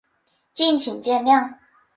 敬请见谅